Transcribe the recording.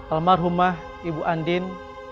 almarhumah ibu andin